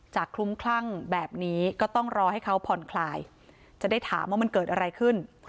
คลุ้มคลั่งแบบนี้ก็ต้องรอให้เขาผ่อนคลายจะได้ถามว่ามันเกิดอะไรขึ้น